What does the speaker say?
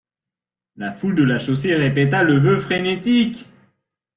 La foule de la chaussée répéta le vœu frénétique.